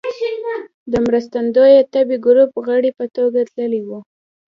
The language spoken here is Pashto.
د مرستندويه طبي ګروپ غړي په توګه تللی و.